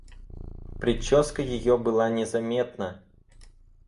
Прическа ее была незаметна.